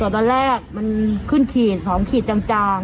ตรวจตอนแรกมันขึ้นขีดสองขีดจาง